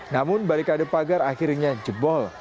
namun balik ada pagar akhirnya jebol